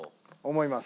思います。